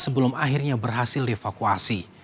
sebelum akhirnya berhasil dievakuasi